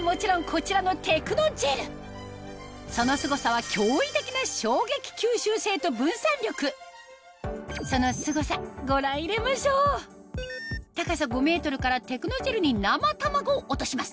そのすごさは驚異的な衝撃吸収性と分散力そのすごさご覧入れましょう高さ５ｍからテクノジェルに生卵を落とします